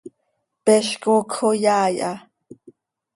Peez coocj oo yaai ha.